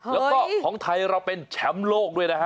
แล้วก็ของไทยเราเป็นแชมป์โลกด้วยนะฮะ